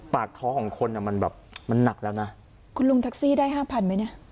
ปากท้องของคนอ่ะมันแบบมันหนักแล้วนะคุณลุงแท็กซี่ได้ห้าพันไหมเนี่ย